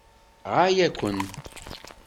Ɣaya-ken!